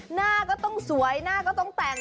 หน้าก็ต้องสวยหน้าก็ต้องแต่ง